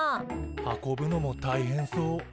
運ぶのも大変そう。